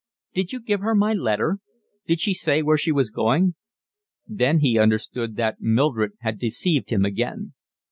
"Did you give her my letter? Did she say where she was going?" Then he understood that Mildred had deceived him again.